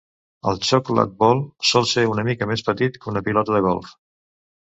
El chokladboll sol ser una mica més petit que una pilota de golf.